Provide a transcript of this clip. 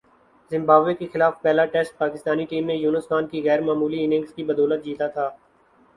Zimbabwe کے خلاف پہلا ٹیسٹ پاکستانی ٹیم نے یونس خان کی غیر معمولی اننگز کی بدولت جیتا تھا